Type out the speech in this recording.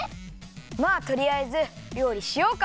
まあとりあえずりょうりしようか！